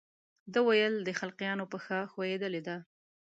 ده ویل د خلقیانو پښه ښویېدلې ده.